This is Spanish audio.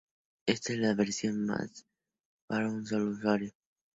Esta es la versión para un sólo usuario.